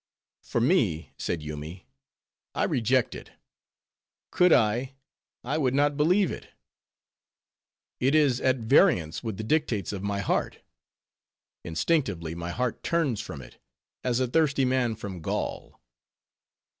"For me," said Yoomy, "I reject it. Could I, I would not believe it. It is at variance with the dictates of my heart instinctively my heart turns from it, as a thirsty man from gall."